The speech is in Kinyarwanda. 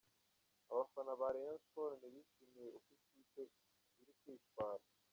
Abafana ba Rayon Sports ntibishimiye uko ikipe iri kwitwara.